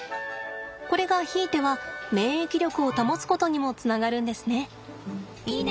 これがひいては免疫力を保つことにもつながるんですね。